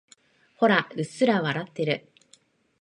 ほら、うっすら笑ってる。